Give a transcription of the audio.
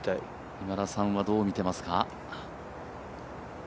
今田さんはどう見てますか？